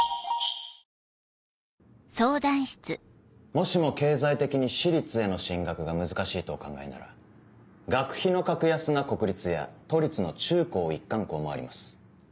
もしも経済的に私立への進学が難しいとお考えなら学費の格安な国立や都立の中高一貫校もあります。